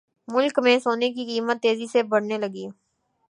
ملک میں سونے کی قیمت تیزی سے بڑھنے لگی